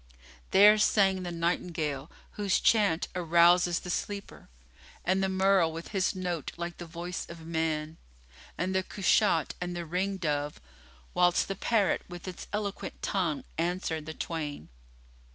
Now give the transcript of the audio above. There sang the nightingale, whose chant arouses the sleeper, and the merle with his note like the voice of man and the cushat and the ring dove, whilst the parrot with its eloquent tongue answered the twain.